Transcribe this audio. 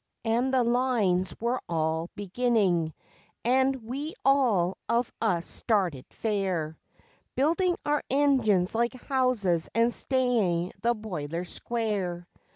And the Lines were all beginning, and we all of us started fair, Building our engines like houses and staying the boilers square.